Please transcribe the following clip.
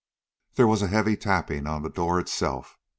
There was a heavy tapping on the door itself.